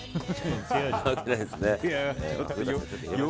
な訳ないですね。